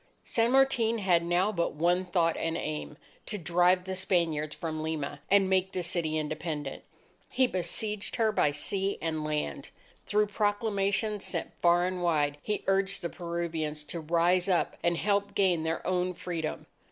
San Martin had now but one thought and aim to drive the Spaniards from Lima, and make the city independent. He besieged her by sea and land. Through proclamations sent far and wide, he urged the Peruvians to rise up and help gain their own Freedom.